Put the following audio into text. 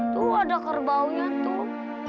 tuh ada kerbaunya tuh